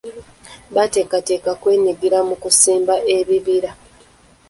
Bateekateeka kwenyigira mu kusimba ebibira.